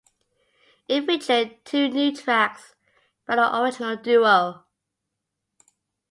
It featured two new tracks by the original duo.